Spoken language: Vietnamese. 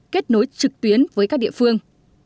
kết nối trực tuyến với các địa phương